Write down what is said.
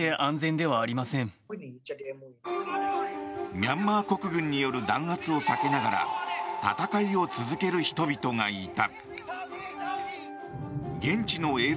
ミャンマー国軍による弾圧を避けながら闘いを続ける人々がいた。